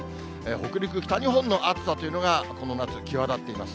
北陸、北日本の暑さというのが、この夏、際立っています。